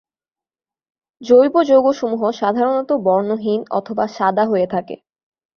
জৈব যৌগসমূহ সাধারণত বর্ণহীন অথবা সাদা হয়ে থাকে।